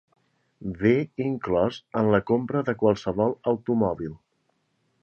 Ve inclòs en la compra de qualsevol automòbil.